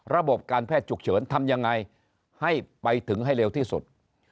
ระบบการแพทย์ฉุกเฉินทำยังไงให้ไปถึงให้เร็วที่สุด